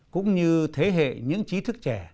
cũng như thế hệ những chí thức trẻ